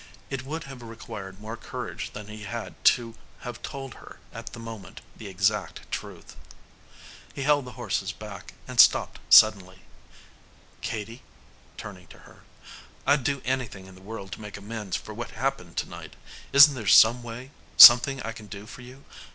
It would have required more courage than he had to have told her at the moment the exact truth. He held the horses back and stopped suddenly. "Katie," turning to her, "I'd do anything in the world to make amends for what happened to night. Isn't there some way something I can do for you?